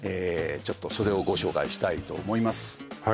ちょっとそれをご紹介したいと思います